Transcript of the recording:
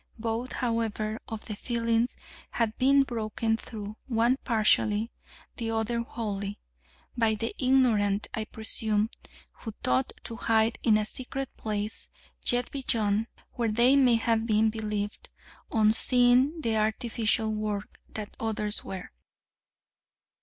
Both, however, of the fillings had been broken through, one partially, the other wholly, by the ignorant, I presume, who thought to hide in a secret place yet beyond, where they may have believed, on seeing the artificial work, that others were.